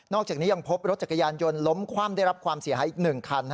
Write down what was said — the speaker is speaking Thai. อกจากนี้ยังพบรถจักรยานยนต์ล้มคว่ำได้รับความเสียหายอีก๑คัน